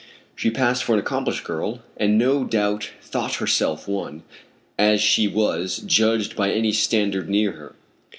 She passed for an accomplished girl, and no doubt thought herself one, as she was, judged by any standard near her.